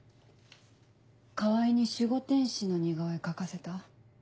川合に守護天使の似顔絵描かせた？